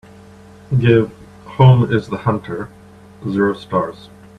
Give Home Is the Hunter zero stars